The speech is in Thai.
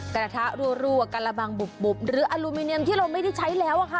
กระทะรั่วกระบังบุบหรืออลูมิเนียมที่เราไม่ได้ใช้แล้วอะค่ะ